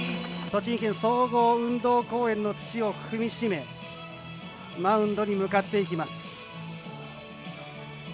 栃木県総合運動公園の土を踏みしめ、マウンドに向かっていきます。